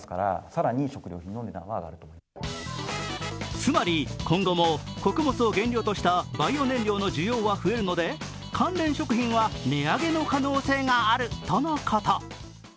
つまり今後も穀物を原料としたバイオ燃料の需要は増えるので関連食品は値上げの可能性があるとのこと。